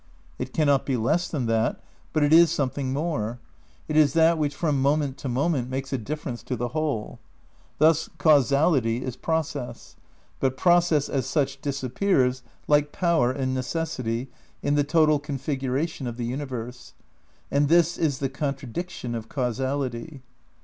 It cannot be less than that, but it is something more ; it VI RECONSTRUCTION OF IDEALISM 241 is that which from moment to moment makes a differ ence to the "Whole. Thus causality is process. But process as such disappears, like power and necessity, in the total configuration of the universe. And this is the contradiction of causality.